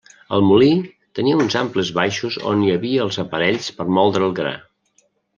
El molí tenia uns amplis baixos on hi havia els aparells per moldre el gra.